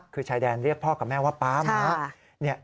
คือชายแดนเรียกพ่อกับแม่ว่าป๊าม้า